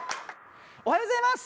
おはようございます。